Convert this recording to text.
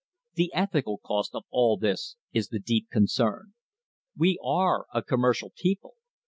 The ethical cost of all this is the deep concern. We are a commercial people.